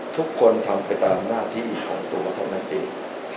ทุกคนทำไปตามหน้าที่ของตัวเท่านั้นเอง